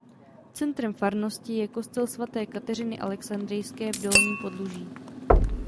Centrem farnosti je kostel svaté Kateřiny Alexandrijské v Dolním Podluží.